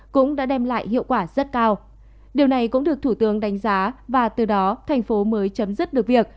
cũng đã đem lại hiệu quả rất cao điều này cũng được thủ tướng đánh giá và từ đó thành phố mới chấm dứt được việc